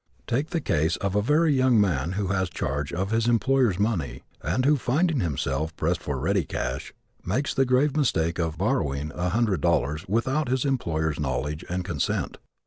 Take the case of a very young man who has charge of his employer's money and who, finding himself pressed for ready cash, makes the grave mistake of "borrowing" a hundred dollars without his employer's knowledge and consent.